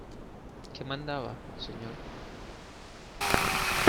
¿ qué mandaba, señor?